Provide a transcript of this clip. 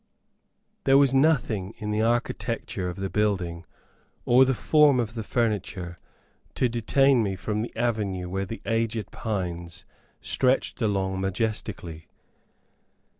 There was nothing in the architecture of the building, or the form of the furniture, to detain me from the avenue where the aged pines stretched along majestically.